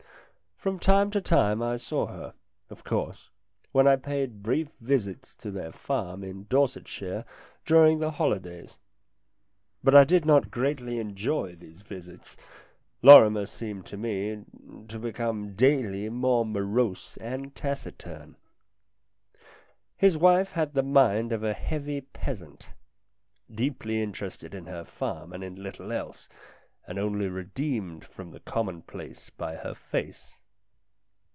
From time to time I saw her, of course, when I paid brief visits to their farm in Dorsetshire during the holidays. But I did not greatly enjoy these visits. Lorrimer seemed to me to become daily more morose and taciturn. His wife had the mind of a heavy peasant, deeply interested in her farm and in little else, and only redeemed from the commonplace by her face.